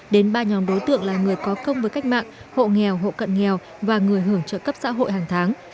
đến ba nhóm đối tượng là người có công với cách mạng hộ nghèo hộ cận nghèo và người hưởng trợ cấp xã hội hàng tháng